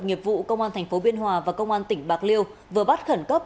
nghiệp vụ công an tp biên hòa và công an tỉnh bạc liêu vừa bắt khẩn cấp